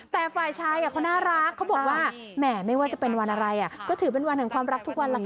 แฝยไฟร์ชัยเขาน่ารักบอกว่าแม้จะเป็นวันอะไรก็ถือวันของความรักทุกวันล่ะค่ะ